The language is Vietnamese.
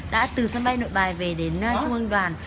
đã từ sân bay nội bài về đến trung ương đoàn